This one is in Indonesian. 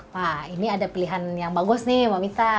wah ini ada pilihan yang bagus nih mamita